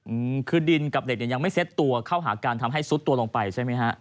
อืมคือดินกับเด็กเนี่ยยังไม่เซ็ตตัวเข้าหาการทำให้ซุดตัวลงไปใช่ไหมฮะ